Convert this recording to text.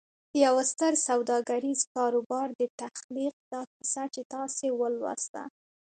د يوه ستر سوداګريز کاروبار د تخليق دا کيسه چې تاسې ولوسته.